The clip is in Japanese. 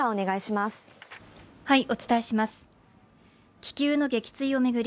気球の撃墜を巡り